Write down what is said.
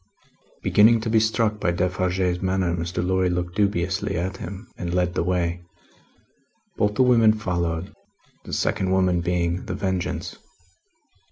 Beginning to be struck by Defarge's manner, Mr. Lorry looked dubiously at him, and led the way. Both the women followed; the second woman being The Vengeance.